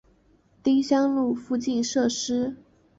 丁香路附近设施